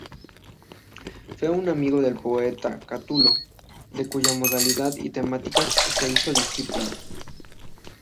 Fue un amigo del poeta Catulo, de cuya modalidad y temáticas se hizo discípulo.